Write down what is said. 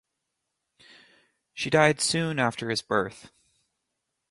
She died soon after his birth.